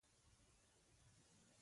• د سهار باران د طبیعت سترګې پاکوي.